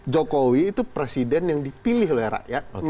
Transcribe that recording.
jokowi itu presiden yang dipilih lho ya